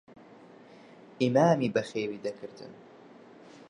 ئیمامی بەخێوی دەکردن.